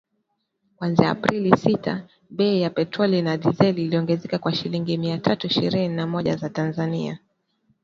Kuanzia Aprili sita , bei ya petroli na dizeli iliongezeka kwa shilingi mia tatu ishirini na moja za Tanzania